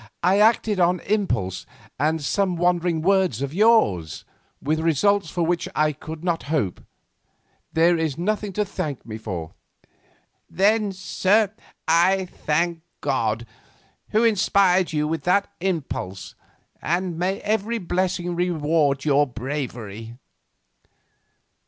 I acted on an impulse and some wandering words of yours, with results for which I could not hope. There is nothing to thank me for." "Then, sir, I thank God, who inspired you with that impulse, and may every blessing reward your bravery."